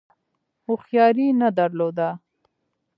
هوښیاري نه درلوده.